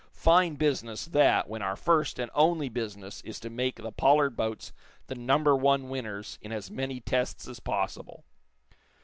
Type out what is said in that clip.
Fine business, that, when our first and only business is to make the Pollard boats the number one winners in as many tests as possible!"